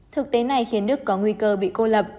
thực tế này khiến đức có nguy cơ bị cô lập